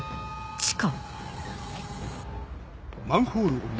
地下？